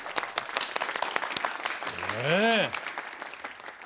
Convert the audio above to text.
ねえ。